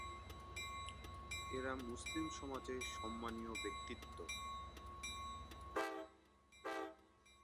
এরা মুসলিম সমাজে সম্মানীয় ব্যক্তিত্ব।